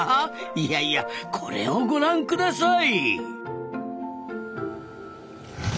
いやいやこれをご覧ください！